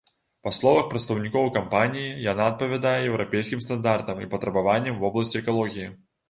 Па словах прадстаўнікоў кампаніі, яна адпавядае еўрапейскім стандартам і патрабаванням у вобласці экалогіі.